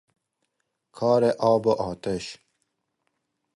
کار آب وآتش